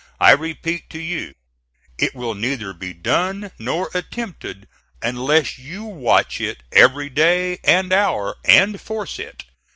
I repeat to you it will neither be done nor attempted unless you watch it every day, and hour, and force it.